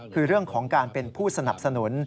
คือเรื่องของการเป็นผู้สนับสนุน